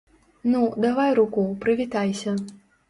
Ну, давай руку, прывітайся.